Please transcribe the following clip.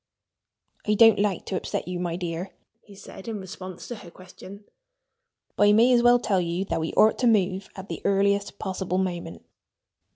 "I don't like to upset you, my dear," he said in response to her question. "But I may as well tell you that we ought to move at the earliest possible moment."